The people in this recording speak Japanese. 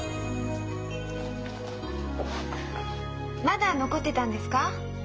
まだ残ってたんですか？